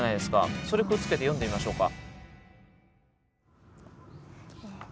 それくっつけて詠んでみましょうか。